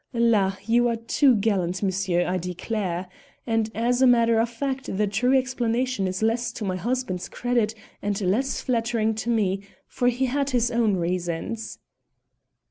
La! you are too gallant, monsieur, I declare. And as a matter of fact the true explanation is less to my husband's credit and less flattering to me, for he had his own reasons."